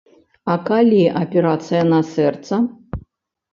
А калі аперацыя на сэрца?